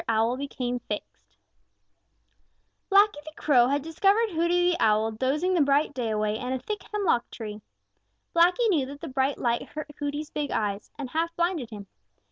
OWL BECAME FIXED Blacky the Crow had discovered Hooty the Owl dozing the bright day away in a thick hemlock tree. Blacky knew that the bright light hurt Hooty's big eyes and half blinded him.